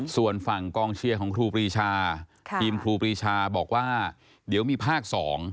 ส่วนฝั่งกองเชียร์ของครูปรีชาทีมครูปรีชาบอกว่าเดี๋ยวมีภาค๒